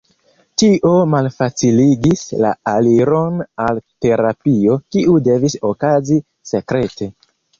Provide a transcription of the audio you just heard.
Tio malfaciligis la aliron al terapio, kiu devis okazi sekrete.